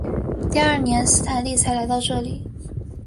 第二年斯坦利才来到这里。